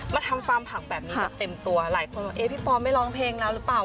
ทำฟาร์มผักแบบนี้แบบเต็มตัวหลายคนบอกเอ๊พี่ปอนไม่ร้องเพลงแล้วหรือเปล่า